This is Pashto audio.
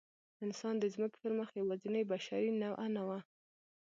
انسان د ځمکې پر مخ یواځینۍ بشري نوعه نه وه.